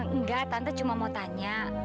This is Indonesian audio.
enggak tante cuma mau tanya